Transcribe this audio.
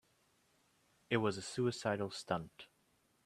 It was a suicidal stunt.